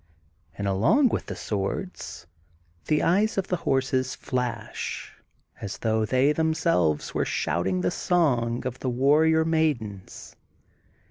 And along with the swords, the eyes of the horses fla^ as though they themselves were shouting the song of the warrior maidens.